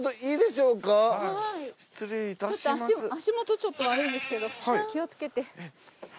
足元ちょっと悪いんですけど気を付けて。